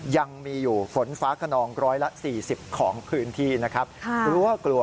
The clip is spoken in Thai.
ยังมีอยู่ฝนฟ้าขนองร้อยละสี่สิบของพื้นที่นะครับ